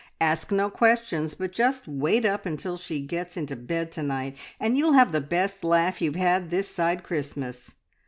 Ask no questions, but just wait up until she gets into bed to night, and you'll have the best laugh you've had this side Christmas.'